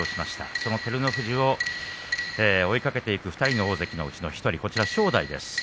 その照ノ富士を追いかけていく２人の大関のうちの１人正代です。